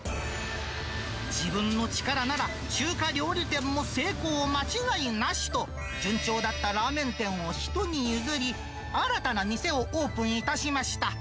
自分の力なら、中華料理店も成功間違いなしと、順調だったラーメン店を人に譲り、新たな店をオープンいたしました。